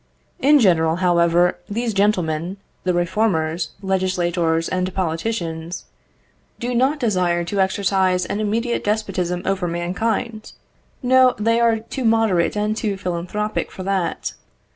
In general, however, these gentlemen, the reformers, legislators, and politicians, do not desire to exercise an immediate despotism over mankind. No, they are too moderate and too philanthropic for that.